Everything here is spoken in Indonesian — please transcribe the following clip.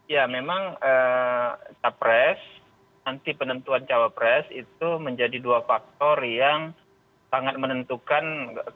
ya memang capres nanti penentuan cawapres itu menjadi dua faktor yang sangat menentukan